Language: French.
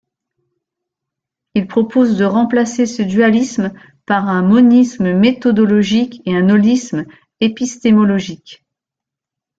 Il propose de remplacer ce dualisme par un monisme méthodologique et un holisme épistémologique.